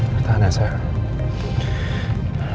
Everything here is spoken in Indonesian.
bertahan ya sa